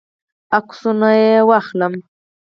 عکسونه یې واخلم.